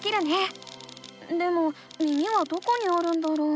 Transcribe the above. でも耳はどこにあるんだろう？